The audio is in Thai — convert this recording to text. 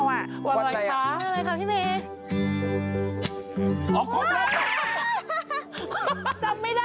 วันใจอ่ะครับวันใจครับพี่เม